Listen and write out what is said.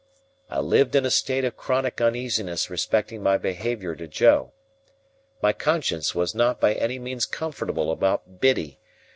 I lived in a state of chronic uneasiness respecting my behaviour to Joe. My conscience was not by any means comfortable about Biddy.